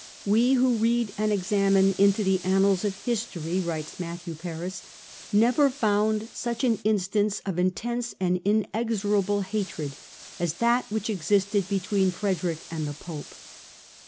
" We who read and examine into the annals of history," writes Matthew Paris, " never found such an instance of intense and inexorable hatred as that which existed between Frederick and the Pope."